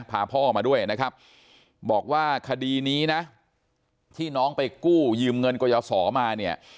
พาพ่อมาด้วยนะครับบอกว่าคดีนี้นะที่น้องไปกู้ยืมเงินกยศรมาเนี่ย